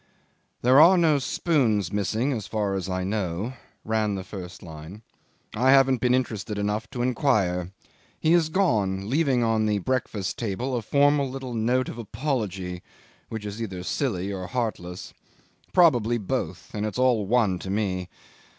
"There are no spoons missing, as far as I know," ran the first line; "I haven't been interested enough to inquire. He is gone, leaving on the breakfast table a formal little note of apology, which is either silly or heartless. Probably both and it's all one to me.